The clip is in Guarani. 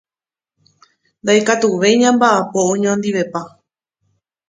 Ndaikatuvéi ñambaʼapo oñondivepa.